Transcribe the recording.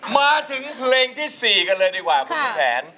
มาถึงเพลงที่๔กันเลยดีกว่าคุณลุงแผน